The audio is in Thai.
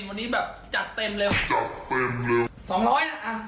วันนี้แบบจัดเต็มเลยจัดเต็มเลยสองร้อยนะอ่ะ